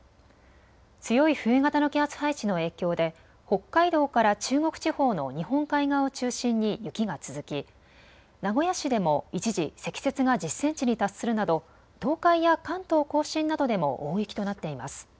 強い冬型の気圧配置の影響で北海道から中国地方の日本海側を中心に雪が続き名古屋市でも一時、積雪が１０センチに達するなど東海や関東甲信などでも大雪となっています。